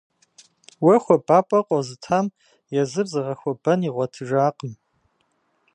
Уэ хуабапӀэ къозытам езыр зыгъэхуэбэн игъуэтыжакъым.